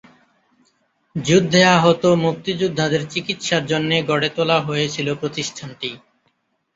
যুদ্ধে আহত মুক্তিযোদ্ধাদের চিকিৎসার জন্যে গড়ে তোলা হয়েছিল প্রতিষ্ঠানটি।